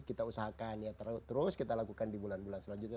kita usahakan ya terus kita lakukan di bulan bulan selanjutnya